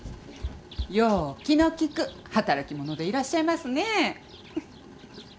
よう気の利く働き者でいらっしゃいますねえ。